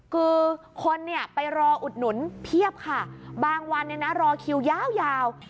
คือคนไปรออุดหนุนเพียบค่ะบางวันรอคิวยาว